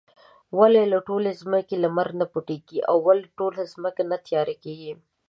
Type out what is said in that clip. ولې له ټولې ځمکې لمر نۀ پټيږي؟ او ولې ټوله ځمکه نه تياره کيږي؟